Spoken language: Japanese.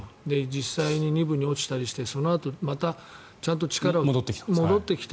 実際に２部に落ちたりしてそのあと、またちゃんと力をつけて戻ってきて